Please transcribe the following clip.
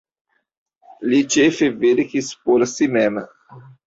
Li ĉefe verkis por si mem.